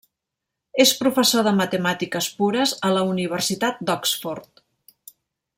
És professor de matemàtiques pures a la Universitat d'Oxford.